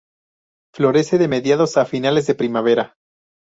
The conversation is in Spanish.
Florece de mediados a finales de primavera.